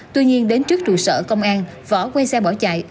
tuy nhiên đến trước trụ sở công an vỏ quay xe bỏ chạy